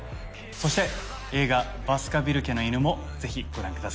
そして映画『バスカヴィル家の犬』もぜひご覧ください。